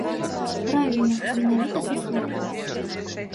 Правільна, менавіта са святамі.